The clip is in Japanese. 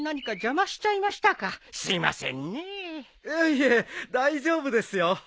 いえいえ大丈夫ですよ。